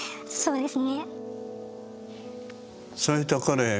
そうですね。